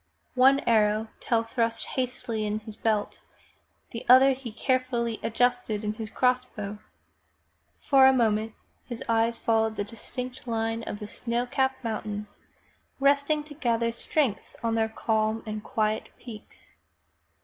One arrow Tell thrust hastily into his belt, the other he carefully adjusted in his cross bow. For a moment his eyes followed the distant line of the snow capped mountains, resting to gather strength on their calm and quiet peaks.